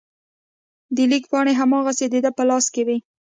د لیک پاڼې هماغسې د ده په لاس کې وې.